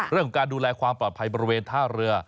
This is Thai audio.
เรื่องของการดูแลความปลอดภัยบริเวณท่าเรือ